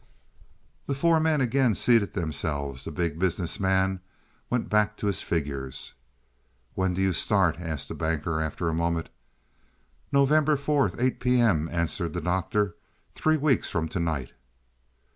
The four men again seated themselves; the Big Business Man went back to his figures. "When do you start?" asked the Banker after a moment. "November 4th 8 P. M.," answered the Doctor. "Three weeks from to night."